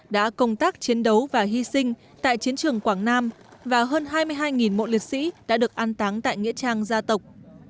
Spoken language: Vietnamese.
đã công tác chiến đấu và hy sinh tại chiến trường quảng nam và hơn hai mươi hai mộ liệt sĩ đã được an táng tại nghĩa trang gia tộc